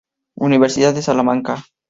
Universidad de Salamanca.